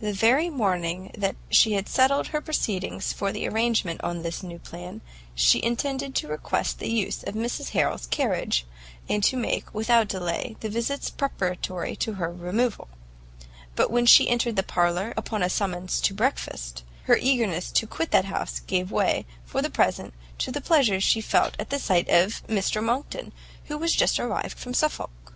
The very morning that she had settled her proceedings for the arrangement of this new plan, she intended to request the use of Mrs Harrel's carriage, and to make, without delay, the visits preparatory to her removal; but when she entered the parlour upon a summons to breakfast, her eagerness to quit the house gave way, for the present, to the pleasure she felt at the sight of Mr Monckton, who was just arrived from Suffolk.